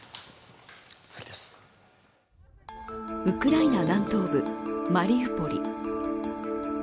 ウクライナ南東部マリウポリ。